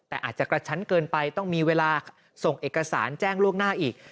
แต่อาจจะกระชั้นเกินไปต้องมีเวลาส่งเอกสารแจ้งล่วงหน้าอีก